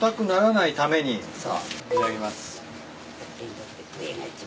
いただきます。